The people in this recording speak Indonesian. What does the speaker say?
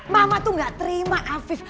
mama tuh gak terima afif